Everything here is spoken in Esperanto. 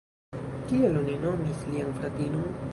Kiel oni nomis lian fratinon?